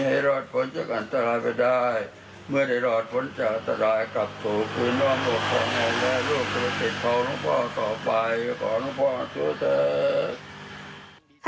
ขอลูกพ่อโสธร